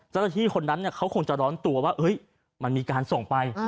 เจ้าหน้าที่คนนั้นเขาคงจะร้อนตัวว่ามันมีการส่งไป